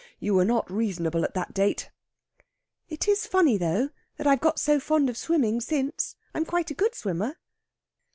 You were not reasonable at that date." "It is funny, though, that I have got so fond of swimming since. I'm quite a good swimmer."